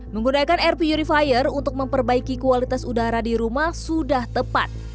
menggunakan air purifier untuk memperbaiki kualitas udara di rumah sudah tepat